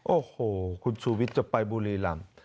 โอ้โหคุณชูวิสจบไปบุรีลำ